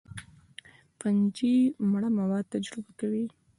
فنجي مړه مواد تجزیه کوي